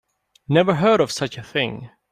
Never heard of such a thing.